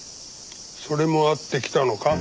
それもあって来たのか？